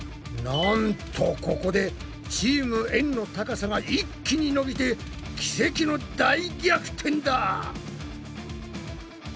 なんとここでチームエんの高さが一気に伸びて奇跡の大逆転だ！